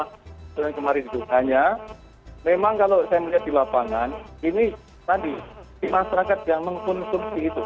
hanya memang kalau saya melihat di wabangan ini tadi masyarakat yang mengkonsumsi itu